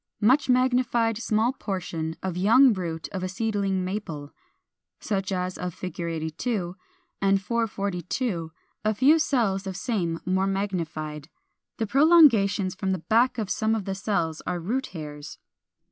Much magnified small portion of young root of a seedling Maple (such as of Fig. 82); and 442, a few cells of same more magnified. The prolongations from the back of some of the cells are root hairs.